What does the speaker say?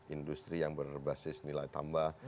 industri yang berbasis nilai tambah